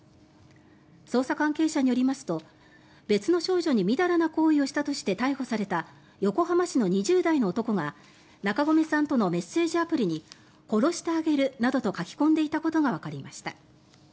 捜査関係者によりますと別の少女にみだらな行為をしたとして逮捕された横浜市の２０代の男が中込さんとのメッセージアプリに殺してあげるなどと書き込んでいたことがわかりました。